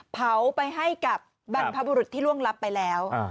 เผาไปให้กับบรรพบุรุษที่ล่วงลับไปแล้ว